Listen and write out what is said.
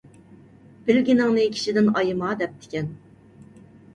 بىلگىنىڭنى كىشىدىن ئايىما دەپتىكەن.